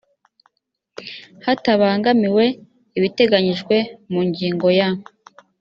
hatabangamiwe ibiteganyijwe mu ngingo ya